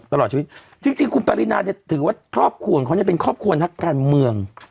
ตลอดชีวิตจริงคุณปรินาเนี่ยถือว่าครอบครัวของเขาเนี่ยเป็นครอบครัวนักการเมือง